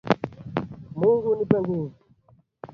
Mungu nipe nguvu.